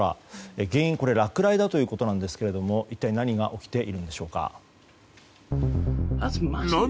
原因は落雷だということですが一体何が起きているんでしょうか。